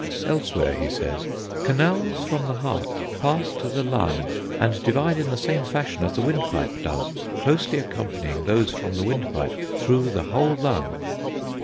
Elsewhere he says, "Canals from the heart pass to the lung and divide in the same fashion as the windpipe does, closely accompanying those from the windpipe through the whole lung."